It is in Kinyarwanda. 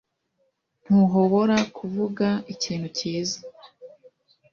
Ntuhobora kuvuga ikintu cyiza